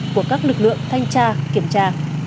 của các lực lượng thanh tra kiểm tra